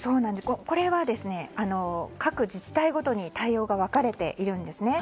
これは、各自治体ごとに対応が分かれているんですね。